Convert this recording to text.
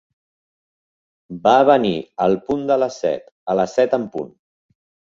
Va venir al punt de les set, a les set en punt.